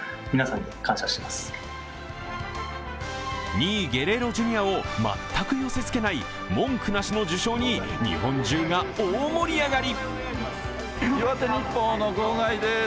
２位ゲレーロ・ジュニアを全く寄せつけない文句なしの受賞に日本中が大盛り上がり。